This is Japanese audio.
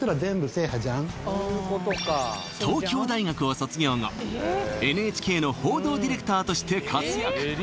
東京大学を卒業後ＮＨＫの報道ディレクターとして活躍